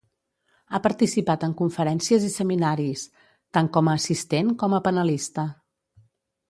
Ha participat en conferències i seminaris, tant com a assistent com a panelista.